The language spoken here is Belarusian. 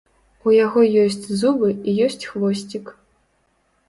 У яго ёсць зубы і ёсць хвосцік!